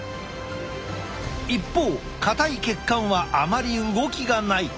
一方硬い血管はあまり動きがない。